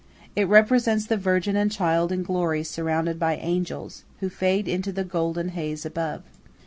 It represents the Virgin and Child in glory surrounded by angels, who fade into the golden haze above.